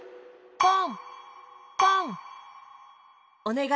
ポン！